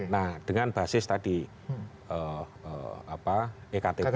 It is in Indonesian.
nah dengan basis tadi e ktp itu